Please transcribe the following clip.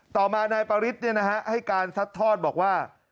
ต่อมานายปริศให้การซัดทอดบอกว่า